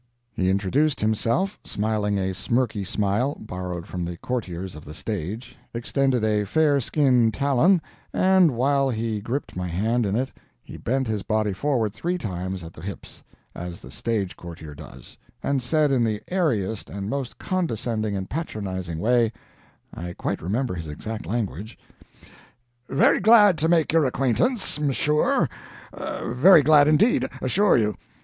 He introduced himself, smiling a smirky smile borrowed from the courtiers of the stage, extended a fair skinned talon, and while he gripped my hand in it he bent his body forward three times at the hips, as the stage courtier does, and said in the airiest and most condescending and patronizing way I quite remember his exact language: "Very glad to make your acquaintance, 'm sure; very glad indeed, assure you.